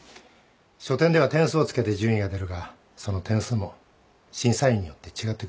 書展では点数をつけて順位が出るがその点数も審査員によって違ってくる。